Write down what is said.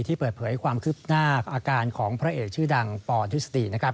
ที่เปิดเผยความคลิบหน้าอาการของพระเอกชื่อดังปธฤษฎี